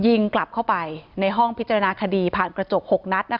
ยิงกลับเข้าไปในห้องพิจารณาคดีผ่านกระจก๖นัด